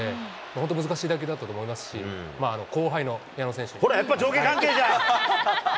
本当難しい打球だったと思いますし、後輩の矢野選手に。ほら、やっぱ上下関係じゃん。